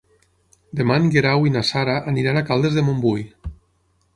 Demà en Guerau i na Sara aniran a Caldes de Montbui.